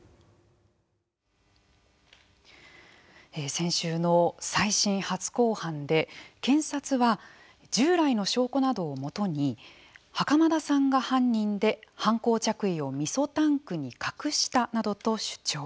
先週の再審初公判で検察は従来の証拠などをもとに袴田さんが犯人で犯行着衣をみそタンクに隠したなどと主張。